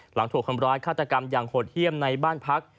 หลังถูกทำร้ายฆาตกรรมอย่างโหดเยี่ยมในบ้านพัก